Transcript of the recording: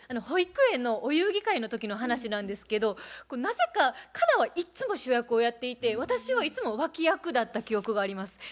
保育園のお遊戯会の時の話なんですけどなぜか佳奈はいつも主役をやっていて私はいつも脇役だった記憶があります。